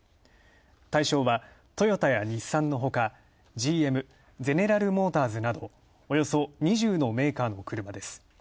対象はトヨタや日産のほか、ＧＭ＝ゼネラル・モーターズなど、およそ２０のメーカーの車です。